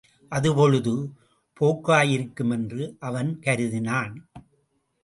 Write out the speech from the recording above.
அது பொழுது போக்காயிருக்கும் என்று அவன் கருதினான்.